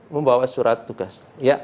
membawa surat tugas